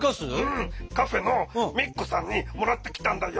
うんカフェのＭｉｋｋｏさんにもらってきたんだよ。